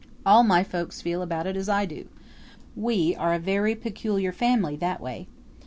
All my folks feel about it as I do. We are a very peculiar family that way.